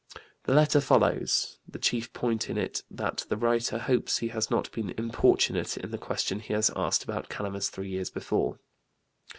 The letter follows. The chief point in it is that the writer hopes he has not been importunate in the question he had asked about Calamus three years before.